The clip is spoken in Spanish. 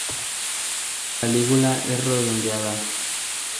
La lígula es redondeada.